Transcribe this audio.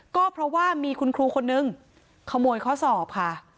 ก็เพราะว่ามีคุณครูคนนึงขโมยข้อสอบค่ะ